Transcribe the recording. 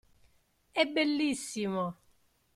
È bellissimo!